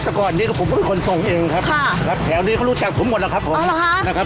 รถตะกรดนี้ผมก็เป็นคนส่งเองครับครับแถวนี้รูจักผมหมดแล้วครับผมเอาเหรอครับ